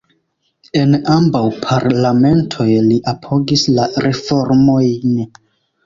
En ambaŭ parlamentoj li apogis la reformojn.